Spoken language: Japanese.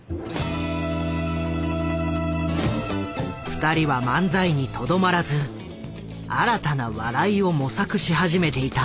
二人は漫才にとどまらず新たな笑いを模索し始めていた。